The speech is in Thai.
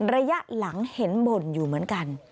ระยะหลังเห็นบ่นอยู่เหมือนกัน